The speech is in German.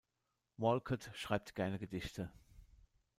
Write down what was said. Walcott schreibt gerne Gedichte.